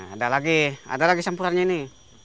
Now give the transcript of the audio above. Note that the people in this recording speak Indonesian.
ada lagi ada lagi sampurannya ini